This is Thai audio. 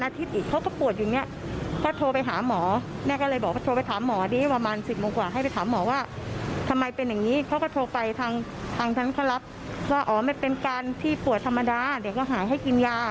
ตรงที่ป่วนธรรมดาจะหายให้กินยา